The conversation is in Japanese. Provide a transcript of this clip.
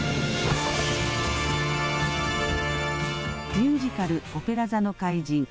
ミュージカル、オペラ座の怪人。